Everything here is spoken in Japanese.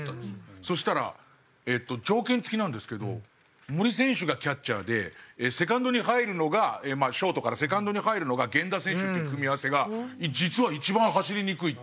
そしたら条件付きなんですけど森選手がキャッチャーでセカンドに入るのがショートからセカンドに入るのが源田選手って組み合わせが実は一番走りにくいって。